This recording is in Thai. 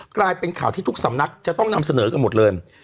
กลายเป็นข่าวที่ทุกสำนักจะต้องนำเสนอกันหมดเลย